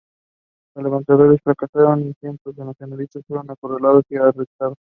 Los levantamientos fracasaron y cientos de nacionalistas fueron acorralados y arrestados.